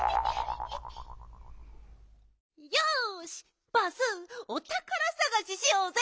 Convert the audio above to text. よしバースおたからさがししようぜ！